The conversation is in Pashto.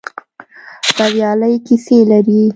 بریالۍ کيسې لري.